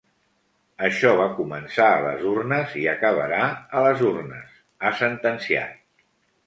Això va començar a les urnes i acabarà a les urnes, ha sentenciat.